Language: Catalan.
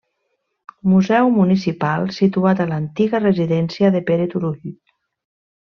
Museu municipal, situat a l'antiga residència de Pere Turull.